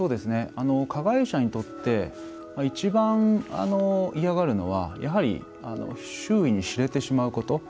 加害者にとって一番嫌がるのはやはり周囲に知れてしまうこと。